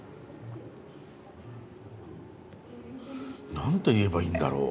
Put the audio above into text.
何て言えばいいんだろう